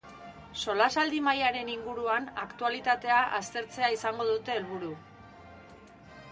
Solasaldi mahaiaren inguruan, aktualitatea aztertzea izango dute helburu.